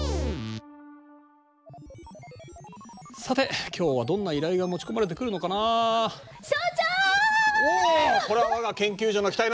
さて今日はどんな依頼が持ち込まれてくるのかな？所長！